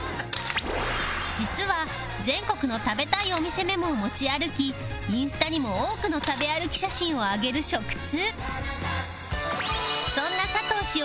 実は全国の食べたいお店メモを持ち歩きインスタにも多くの食べ歩き写真を上げる食通